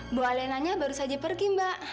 ibu alenanya baru saja pergi mbak